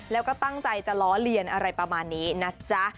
แล้วก็ตั้งใจจะล้อเลียนอะไรประมาณนี้นะจ๊ะ